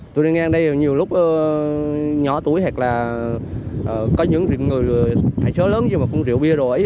tôi đang ngang đây nhiều lúc nhỏ tuổi hay là có những người thải số lớn gì mà cũng rượu bia rồi